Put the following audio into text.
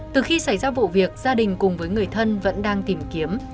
từ khi xảy ra vụ việc gia đình cùng với người thân vẫn đang tìm kiếm